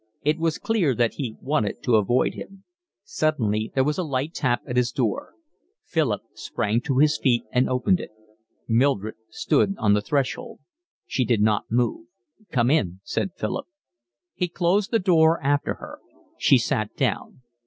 It was clear that he wanted to avoid him. Suddenly there was a light tap at his door. Philip sprang to his feet and opened it. Mildred stood on the threshold. She did not move. "Come in," said Philip. He closed the door after her. She sat down.